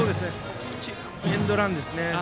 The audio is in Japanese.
エンドランですね。